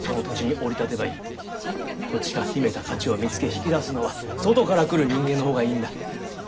土地が秘めた価値を見つけ引き出すのは外から来る人間の方がいいんだ。